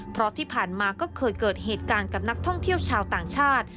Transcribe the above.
เพราะที่ผ่านมาก็เคยเกิดเหตุการณ์กับนักท่องเที่ยวชาวต่างชาติ